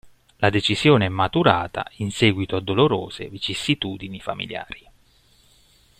La decisione è maturata in seguito a dolorose vicissitudini familiari.